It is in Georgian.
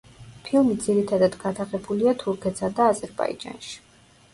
ფილმი ძირითადად გადაღებულია თურქეთსა და აზერბაიჯანში.